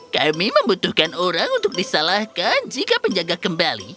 kami membutuhkan orang untuk disalahkan jika penjaga kembali